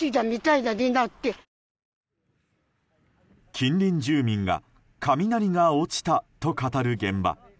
近隣住民が雷が落ちたと語る現場。